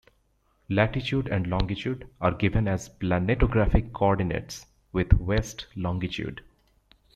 Latitude and longitude are given as planetographic coordinates with west longitude.